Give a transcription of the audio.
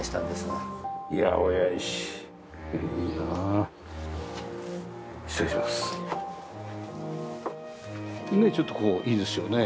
ねえちょっとこういいですよね。